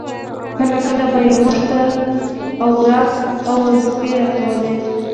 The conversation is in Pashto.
کله کله به يې موږ ته اوراد او وظيفې راکولې.